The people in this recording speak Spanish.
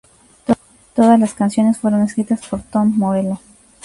Todas las canciones fueron escritas por Tom Morello.